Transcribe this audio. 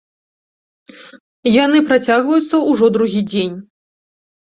Яны працягваюцца ўжо другі дзень.